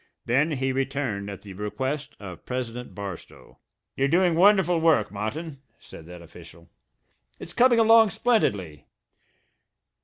Then he returned at the request of President Barstow. "You're doing wonderful work, Martin," said that official. "It's coming along splendidly.